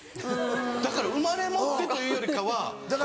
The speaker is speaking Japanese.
だから生まれ持ってというよりかは。